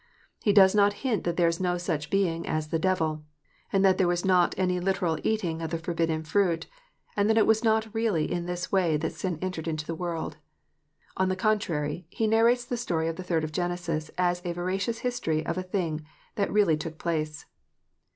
He does not hint that there is no such being as the devil, and that there was not any literal eating of the forbidden fruit, and that it was not really in this way that sin entered into the world. On the contrary, he narrates the story of the third of Genesis as a veracious history of a thing that really took place.